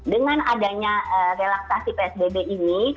dengan adanya relaksasi psbb ini